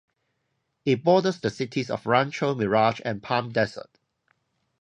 It borders the cities of Rancho Mirage and Palm Desert.